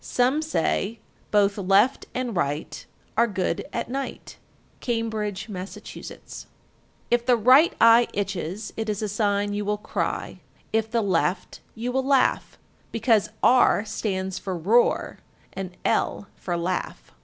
Some say, Both left and right Are good at night. Cambridge, Mass. 1348. If the right eye itches, it is a sign you will cry; if the left, you will laugh, because R stands for "roar" and L for "laugh."